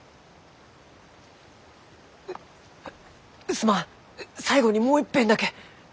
すまん最後にもういっぺんだけ！